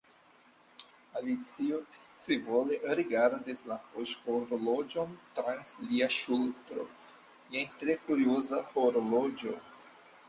Alicio scivole rigardis la poŝhorloĝon trans lia ŝultro. "Jen tre kurioza horloĝo".